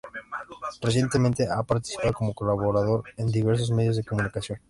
Recientemente ha participado como colaborador en diversos medios de comunicación.